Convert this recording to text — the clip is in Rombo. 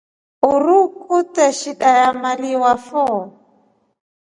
Uruu kute shida ya maliwa fo.